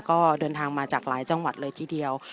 ก็เดินทางมาจากหลายจังหวัดเลยทีเดียว